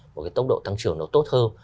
một tốc độ tăng trưởng tốt hơn